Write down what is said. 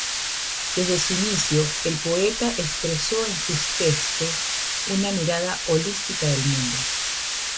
Desde su inicio, el poeta expresó en sus textos una mirada holística del mundo.